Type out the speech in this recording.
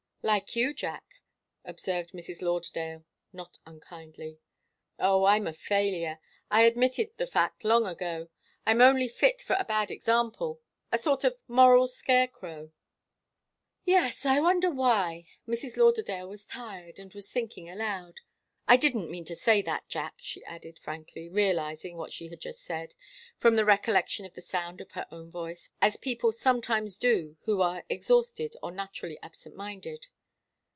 "Like you, Jack," observed Mrs. Lauderdale, not unkindly. "Oh, I'm a failure. I admitted the fact long ago. I'm only fit for a bad example, a sort of moral scarecrow." "Yes. I wonder why?" Mrs. Lauderdale was tired and was thinking aloud. "I didn't mean to say that, Jack," she added, frankly, realizing what she had said, from the recollection of the sound of her own voice, as people sometimes do who are exhausted or naturally absent minded.